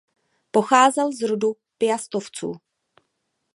Pocházel z rodu Piastovců.